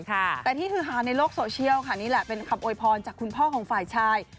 แต่ที่ฮือฮาในโลกโซเชียลค่ะนี่แหละเป็นคำโวยพรจากคุณพ่อของฝ่ายชาย